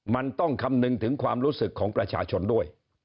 มันต้องคำนึงถึงความรู้สึกของประชาชนด้วย